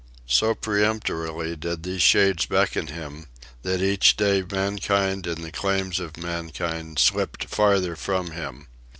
So peremptorily did these shades beckon him, that each day mankind and the claims of mankind slipped farther from him.